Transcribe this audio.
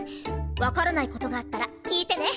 分からないことがあったら聞いてね。